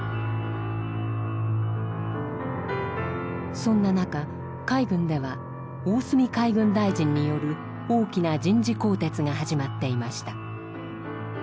そんな中海軍では大角海軍大臣による大きな人事更迭が始まっていました。